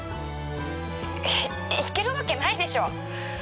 い行けるわけないでしょう。